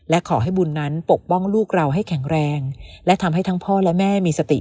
และขอให้บุญนั้นปกป้องลูกเราให้แข็งแรงและทำให้ทั้งพ่อและแม่มีสติ